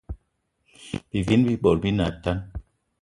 Bivini bi bot bi ne atane